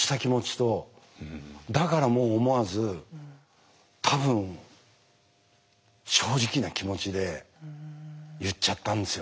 だからもう思わず多分正直な気持ちで言っちゃったんですよね。